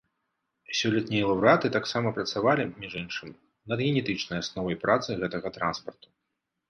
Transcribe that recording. Сёлетнія лаўрэаты таксама працавалі, між іншым, над генетычнай асновай працы гэтага транспарту.